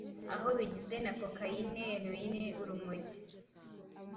aho bigizwe na cocaine, heroin, urumogi